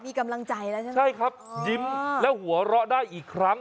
มีกำลังใจแล้วใช่ไหมใช่ครับยิ้มแล้วหัวเราะได้อีกครั้ง